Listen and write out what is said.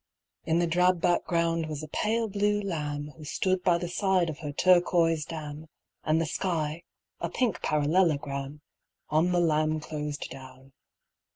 In the drab background was a pale blue lamb Who stood by the side of her turquoise dam, And the sky a pink parallelogram On the lamb closed down.